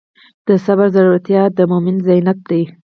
د صبر زړورتیا د مؤمن زینت دی.